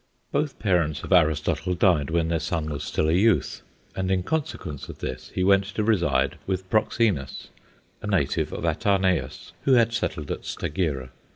Both parents of Aristotle died when their son was still a youth, and in consequence of this he went to reside with Proxenus, a native of Atarneus, who had settled at Stagira.